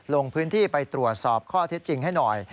ลงพื้นที่ไปตรวจสอบข้อเท็จจริงให้หน่อย